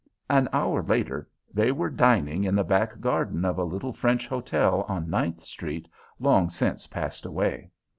An hour later, they were dining in the back garden of a little French hotel on Ninth Street, long since passed away.